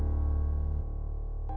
aku boleh minta tolong gak